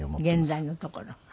現在のところ。